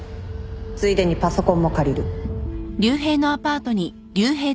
ついでにパソコンも借りる。